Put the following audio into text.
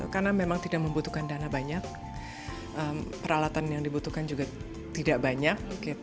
karena memang tidak membutuhkan dana banyak peralatan yang dibutuhkan juga tidak banyak